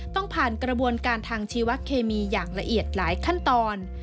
ต้องผ่านกระบวนการทางชีวเคมีอย่างละเอียดหลายขั้นตอน